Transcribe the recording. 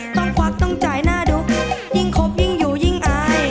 ควักต้องจ่ายหน้าดูยิ่งคบยิ่งอยู่ยิ่งอาย